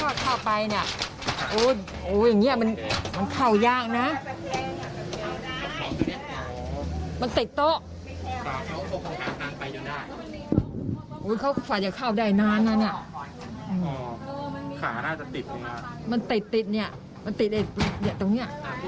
มันติดเนี่ยตรงนี้